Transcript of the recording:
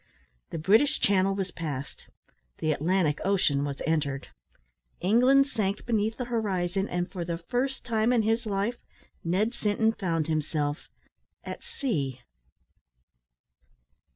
The British Channel was passed; the Atlantic Ocean was entered; England sank beneath the horizon; and, for the first time in his life, Ned Sinton found himself at sea.